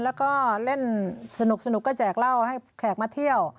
แล้วก็เล่นสนุกก็แจกเหล้าให้แขกมาเที่ยว